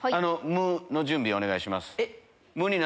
無の準備お願いします。